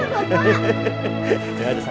tutup lagi matanya